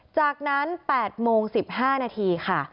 จากนั้น๘โมง๑๕นาทีค่ะ